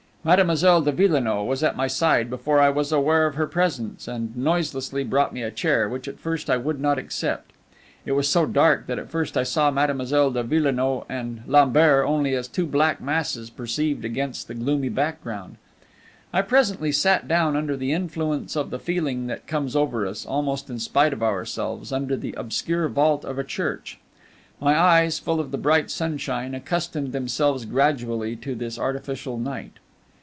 Mademoiselle de Villenoix was at my side before I was aware of her presence, and noiselessly brought me a chair, which at first I would not accept. It was so dark that at first I saw Mademoiselle de Villenoix and Lambert only as two black masses perceived against the gloomy background. I presently sat down under the influence of the feeling that comes over us, almost in spite of ourselves, under the obscure vault of a church. My eyes, full of the bright sunshine, accustomed themselves gradually to this artificial night.